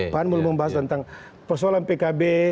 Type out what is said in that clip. pan belum membahas tentang persoalan pkb